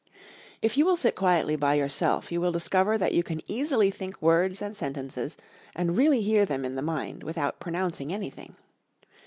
If you will sit quietly by yourself you will discover that you can easily think words and sentences and really hear them in the mind without pronouncing anything.